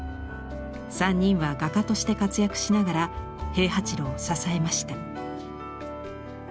３人は画家として活躍しながら平八郎を支えました。